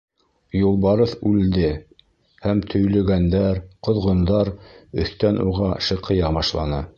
Юлбарыҫ үлде, һәм төйлөгәндәр, ҡоҙғондар өҫтән уға шыҡыя башланы.